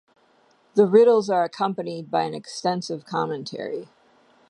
The riddles are accompanied by an extensive commentary.